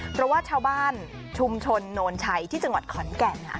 เพราะว่าชาวบ้านชุมชนโนนชัยที่จังหวัดขอนแก่น